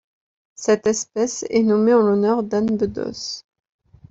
Cette espèce est nommée en l'honneur d'Anne Bedos.